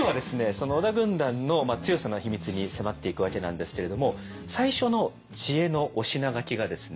その織田軍団の強さの秘密に迫っていくわけなんですけれども最初の知恵のお品書きがですね